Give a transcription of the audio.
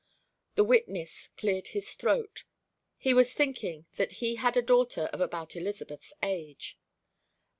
The witness cleared his throat. He was thinking that he had a daughter of about Elizabeth's age.